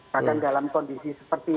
bahkan dalam kondisi seperti